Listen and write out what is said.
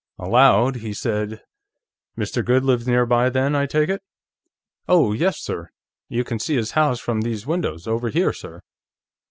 Aloud, he said: "Mr. Goode lives nearby, then, I take it?" "Oh, yes, sir. You can see his house from these windows. Over here, sir."